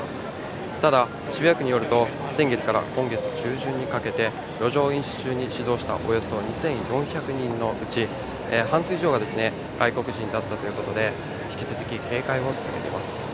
ただ、渋谷区によると先月から今月中旬にかけて、路上飲酒中に指導したおよそ２４００人のうち、半数以上が外国人だったということで、引き続き警戒を続けています。